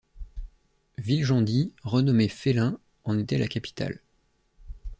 Viljandi, renommée Fellin, en était la capitale.